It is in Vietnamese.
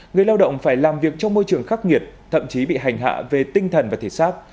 người lao động phải làm việc trong môi trường khắc nghiệt thậm chí bị hành hạ về tinh thần và thể xác